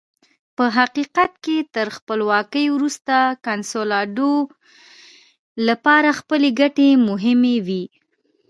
په حقیقت کې تر خپلواکۍ وروسته کنسولاډو لپاره خپلې ګټې مهمې وې.